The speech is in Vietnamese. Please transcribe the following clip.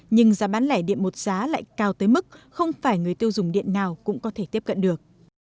nhưng giá bán lẻ điện một giá lại cao tới mức không phải người tiêu dùng điện nào cũng có thể tiếp cận được